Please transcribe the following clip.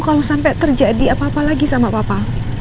kalau sampai terjadi apa apa lagi sama papa